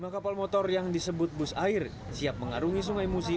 lima kapal motor yang disebut bus air siap mengarungi sungai musi